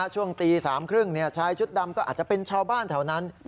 ช่วงตีสามครึ่งเนี่ยชายชุดดำก็อาจจะเป็นชาวบ้านแถวนั้น